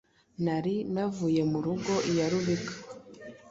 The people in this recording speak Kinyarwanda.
Nari navuye mu rugo iya rubika!